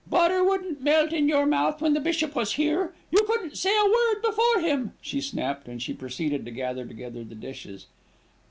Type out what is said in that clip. Butter wouldn't melt in your mouth when the bishop was here. You couldn't say a word before him," she snapped, and she proceeded to gather together the dishes.